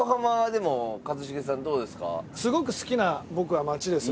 すごく好きな僕は街ですね。